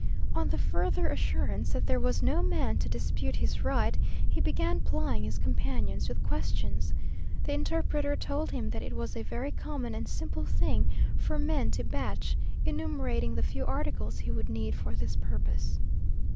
On the further assurance that there was no man to dispute his right, he began plying his companions with questions. The interpreter told him that it was a very common and simple thing for men to batch, enumerating the few articles he would need for this purpose.